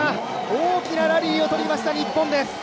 大きなラリーを取りました日本です。